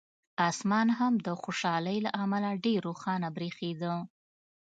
اسمان هم د خوشالۍ له امله ډېر روښانه برېښېده.